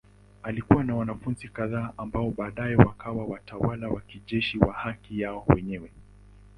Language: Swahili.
Alikuwa na wanafunzi kadhaa ambao baadaye wakawa watawala wa kijeshi kwa haki yao wenyewe.